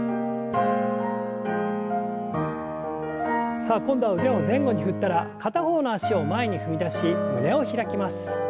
さあ今度は腕を前後に振ったら片方の脚を前に踏み出し胸を開きます。